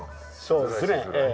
そうですねええ。